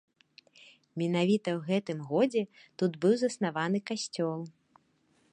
Менавіта ў гэтым годзе тут быў заснаваны касцёл.